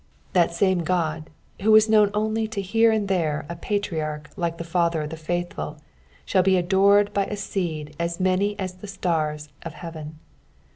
That same Qod, who was known only to here and there a patriarch like the father of the faithful, shall be adored by a seed as many as the stars of heaven.